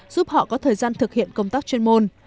giúp họ có thời gian thực hiện công tác chuyên môn